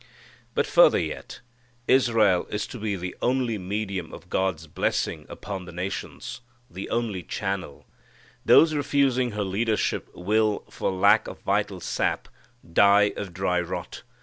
But further yet, Israel is to be the only medium of God's blessing upon the nations the only channel. Those refusing her leadership will, for lack of vital sap, die of dry rot.